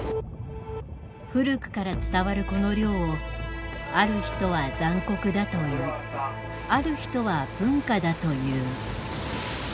古くから伝わるこの漁をある人は残酷だと言いある人は文化だと言う。